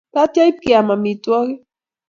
Tatya ipkeam amitwogik.